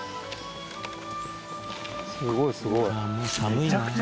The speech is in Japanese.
すごいすごい。